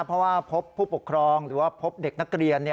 เพราะว่าพบผู้ปกครองหรือว่าพบเด็กนักเรียน